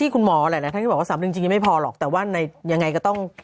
คุณหมอแหล่งแหล่งบอกว่า๓เดือนจริงไม่พอหรอกแต่ว่ายังไงก็ต้อง